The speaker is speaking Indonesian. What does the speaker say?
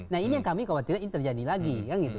nah ini yang kami khawatirkan ini terjadi lagi